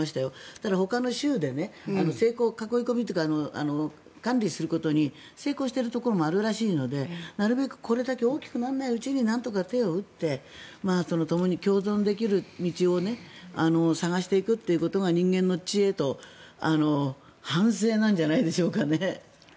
ただほかの州で囲い込みというか管理することに成功しているところもあるらしいのでなるべくこれだけ大きくならないうちに手を打ってともに共存できる道を探していくということが人間の知恵と反省なんじゃないでしょうかね。